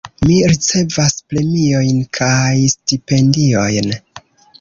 Mi ricevas premiojn kaj stipendiojn.